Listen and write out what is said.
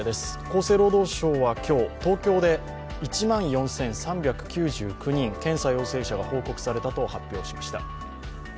厚生労働省は今日、東京で１万４３９９人検査陽性者が報告されたと発表しました。